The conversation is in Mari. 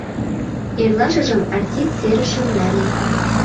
Эрлашыжым артист серышым нале.